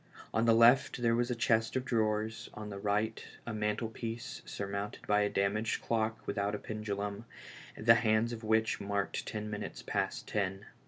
On the left there was a chest of drawers, on the right a mantlepiece surmounted by a damaged clock without a pendulum, the hands of which marked ten minutes past ten.